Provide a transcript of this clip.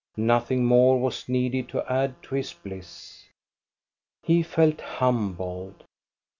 >thing more was needed to add to his bliss. He felt humbled.